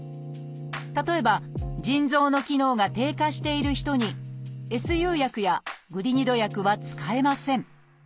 例えば腎臓の機能が低下している人にＳＵ薬やグリニド薬は使えません